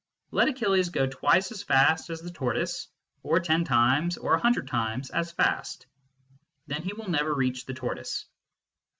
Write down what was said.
Let Achilles go twice as fast as the tortoise, or ten times or a hundred times as fast. Then he will never reach the tortoise.